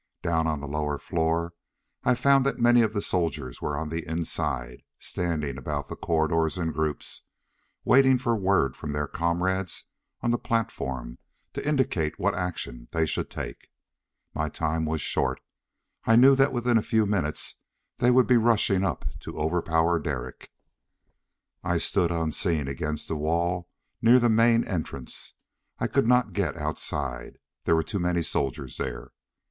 Down on the lower floor I found that many of the soldiers were on the inside, standing about the corridors in groups, waiting for word from their comrades on the platform to indicate what action they should take. My time was short; I knew that within a few minutes they would be rushing up to overpower Derek. I stood unseen against the wall near the main entrance. I could not get outside. There were too many soldiers there.